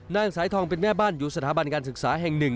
นางสายทองเป็นแม่บ้านอยู่สถาบันการศึกษาแห่งหนึ่ง